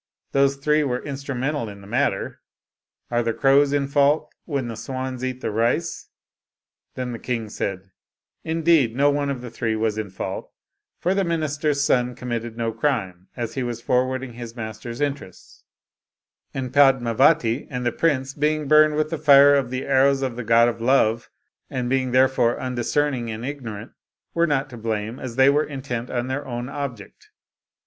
Those three were in strumental in the matter. Are the crows in fault when the swans eat the rice? " Then the king said, " Indeed no one of the three was in fault, for the minister's son committed no crime, as he was forwarding his master's interests, and Padmavati and the prince, being burned with the fire of the arrows of the god of Love, and being therefore undis cerning and ignorant, were not to blame, as they were in tent on their own object.